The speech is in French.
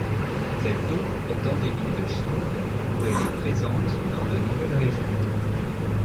Cette taupe est endémique de Chine où elle est présente dans de nouvelles régions.